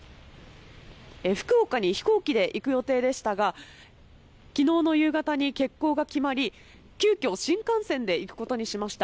福岡に飛行機で行く予定でしたが、きのうの夕方に欠航が決まり、急きょ、新幹線で行くことにしました。